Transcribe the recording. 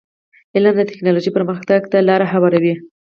علم د ټکنالوژی پرمختګ ته لار هواروي.